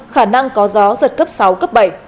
khả năng có gió giật cấp sáu cấp bảy